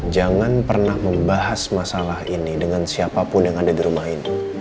jangan pernah membahas masalah ini dengan siapapun yang ada di rumah itu